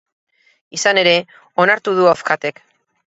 Izan ere, onartu du Objatek.